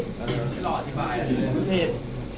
ผมผิด